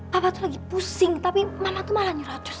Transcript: papa tuh lagi pusing tapi mama tuh malah nyuracus